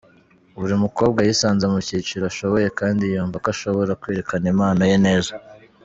Buri mukobwa yisanze mu cyiciro ashoboye kandi yumva ko ashobora kwerekana impano ye neza.